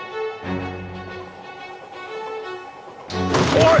おい！